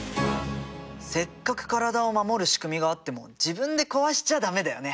せっかく体を守る仕組みがあっても自分で壊しちゃ駄目だよね。